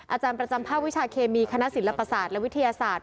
อาจารย์ประจำภาควิชาเคมีคณะศิลปศาสตร์และวิทยาศาสตร์